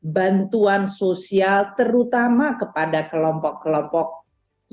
bantuan sosial terutama kepada kelompok kelompok yang diberikan bantuan